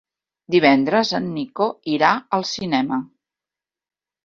Divendres en Nico irà al cinema.